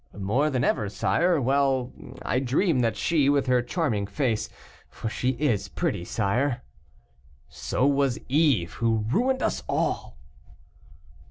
"More than ever, sire; well, I dreamed that she, with her charming face for she is pretty, sire " "So was Eve, who ruined us all."